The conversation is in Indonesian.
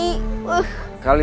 tidak tahu pak kiai